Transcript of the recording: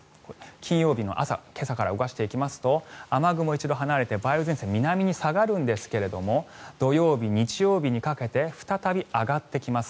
金曜日の朝今朝から動かしていきますと雨雲は一度離れて梅雨前線、南に下がるんですが土曜日、日曜日にかけて再び上がってきます。